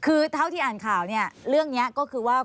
คือเท่าที่อ่านข่าวเนี่ยเรื่องนี้ก็คือว่า